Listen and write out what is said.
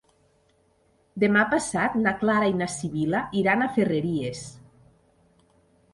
Demà passat na Clara i na Sibil·la iran a Ferreries.